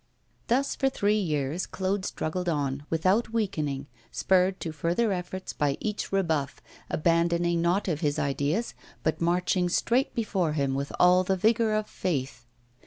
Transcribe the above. Thus, for three years, Claude struggled on, without weakening, spurred to further efforts by each rebuff, abandoning nought of his ideas, but marching straight before him, with all the vigour of faith.